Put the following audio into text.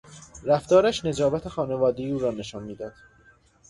رفتارش نجابت خانوادگی او را نشان میداد.